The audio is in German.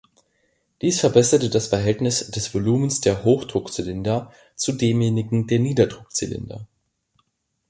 Dies verbesserte das Verhältnis des Volumens der Hochdruckzylinder zu demjenigen der Niederdruckzylinder.